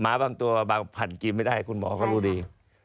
บางตัวบางผันกินไม่ได้คุณหมอก็รู้ดี